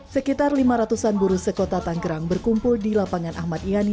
sekitar lima ratusan buruh sekota tanggerang berkumpul di lapangan ahmad yani